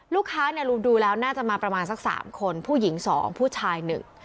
ลูกค้าเนี่ยดูแล้วน่าจะมาประมาณสักสามคนผู้หญิงสองผู้ชายหนึ่ง